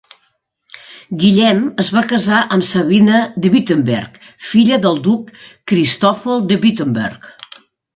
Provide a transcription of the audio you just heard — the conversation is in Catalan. Guillem es va casar amb Sabina de Württemberg, filla del duc Cristòfol de Württemberg.